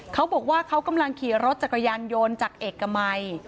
เขาบอกว่าเขากำลังขี่รถจักรยานยนต์จากเอกมัย